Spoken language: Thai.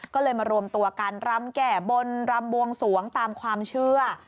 ก็เลยมารวมตัวกันรำแก่บนรำบวงสวงตามความเชื่อ